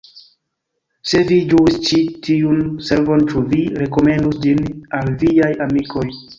Se vi ĝuis ĉi tiun servon ĉu vi rekomendus ĝin al viaj amikoj!